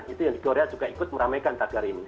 itu yang di korea juga ikut meramaikan tagar ini